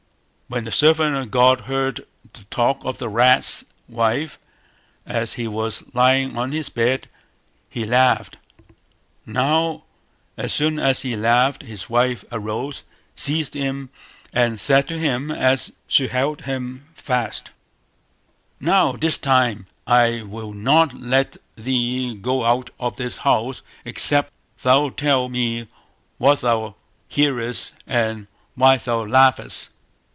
When the servant of God heard the talk of the rat's wife, as he was lying on his bed, he laughed. Now, as soon as he laughed his wife arose, seized him, and said to him as she held him fast: "Now this time I will not let thee go out of this house except thou tell me what thou hearest and why thou laughest".